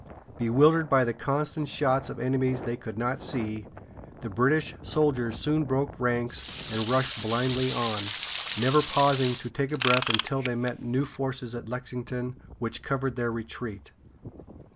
Bewildered by the constant shots of enemies they could not see, the British soldiers soon broke ranks and rushed blindly on, never pausing to take breath until they met new forces at Lexington, which covered their retreat.